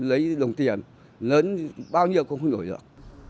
lấy đồng tiền lớn bao nhiêu cũng không đổi được